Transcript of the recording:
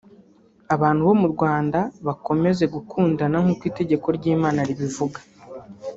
Abantu bo mu Rwanda bakomeze gukundana nk’uko itegeko ry’Imana ribivuga